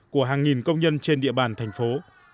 của hàng nghìn công nhân trên địa bàn thành phố